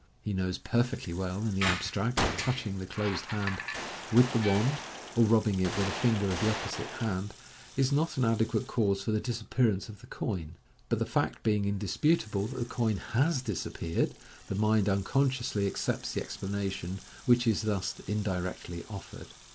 He knows perfectly well, in the abstract, that touching the closed hand with the wand, or rubbing it with a ringer of the opposite hand, is not an adequate cause for the disappearance of the coin ; but the fact being indisputable that the coin has disappeared, the mind unconsciously accepts the explanation which is thus indirectly offered.